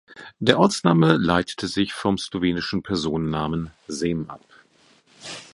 Der Ortsname leitet sich vom slowenischen Personennamen Sem ab.